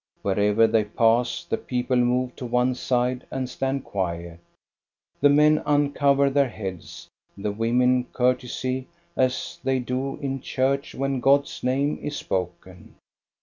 Wherever they pass, the people move to one side and stand quiet ; the men uncover their heads, the women courtesy as they do in church when God's name is spoken.